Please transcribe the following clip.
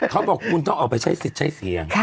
เขาบอกคุณต้องออกไปใช้สิทธิ์ใช้เสียง